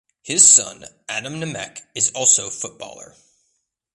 His son Adam Nemec is also footballer.